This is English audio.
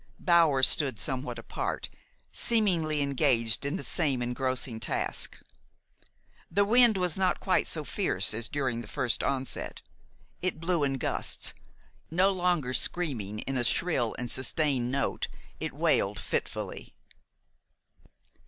Bower stood somewhat apart, seemingly engaged in the same engrossing task. The wind was not quite so fierce as during its first onset. It blew in gusts. No longer screaming in a shrill and sustained note, it wailed fitfully.